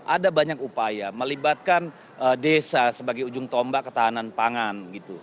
ada banyak upaya melibatkan desa sebagai ujung tombak ketahanan pangan